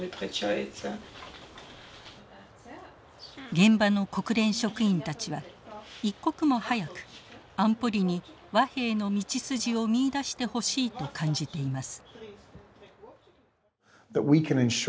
現場の国連職員たちは一刻も早く安保理に和平の道筋を見いだしてほしいと感じています。